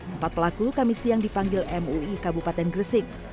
empat pelaku kami siang dipanggil mui kabupaten gresik